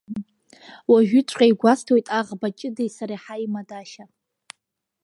Уажәыҵәҟьа игәасҭоит аӷба ҷыдеи сареи ҳаимадашьа.